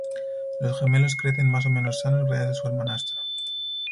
Los gemelos crecen más o menos sanos gracias a su hermanastra.